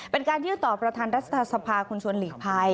เป็นการยื่นต่อประธานรัฐสภาคุณชวนหลีกภัย